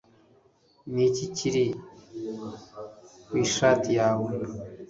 Niki kiri ku ishati yawe